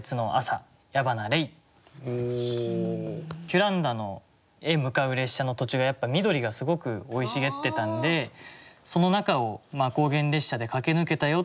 キュランダへ向かう列車の途中が緑がすごく生い茂ってたんでその中を高原列車で駆け抜けたよ。